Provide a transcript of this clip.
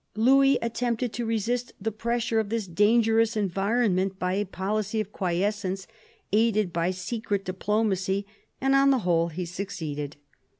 Louis attempted to resist the pressure of this dangerous environment by a policy of quiescence aided by secret diplomacy ; and, on the whole, he succeeded.